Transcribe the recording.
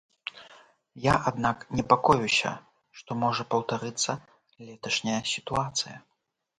Я, аднак, непакоюся, што можа паўтарыцца леташняя сітуацыя.